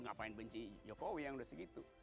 ngapain benci jokowi yang udah segitu